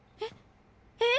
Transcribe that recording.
えっ？